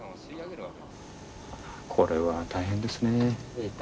これは大変ですねぇ。